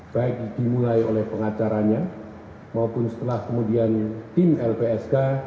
baik dimulai oleh pengacaranya maupun setelah kemudian tim lpsk